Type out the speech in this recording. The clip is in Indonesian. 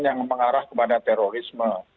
yang mengarah kepada terorisme